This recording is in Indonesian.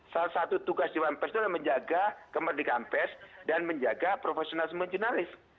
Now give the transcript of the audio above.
salah satu tugas di awan pers adalah menjaga kemerdekaan pers dan menjaga profesionalis menjurnalis